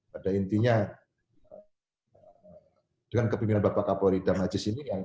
pada intinya dengan kepimpinan bapak kapolri dan ajis ini